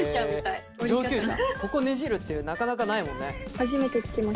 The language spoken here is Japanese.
ここねじるってなかなかないもんね。